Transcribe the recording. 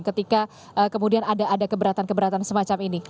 ketika kemudian ada keberatan keberatan semacam ini